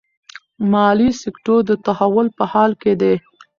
مالي سکتور د تحول په حال کې دی.